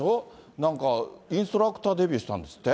なんかインストラクターデビューしたんですって？